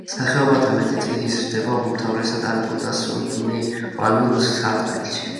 სახეობათა მეტი წილი იზრდება უმთავრესად ალპურ და სუბნივალურ სარტყელში.